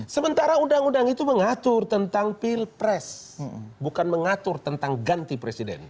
sementara undang undang itu mengatur tentang pilpres bukan mengatur tentang ganti presiden